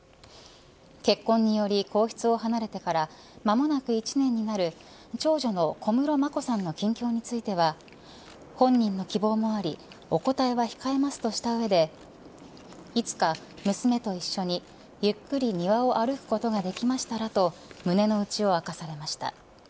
結婚により皇室を離れてから間もなく１年になる、長女の小室眞子さんの近況については本人の希望もありお答えは控えますとした上でいつか、娘と一緒にゆっくり庭を歩くことができましたらと胸の内を明かされました。